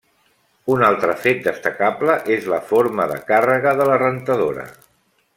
Un altre fet destacable és la forma de càrrega de la rentadora.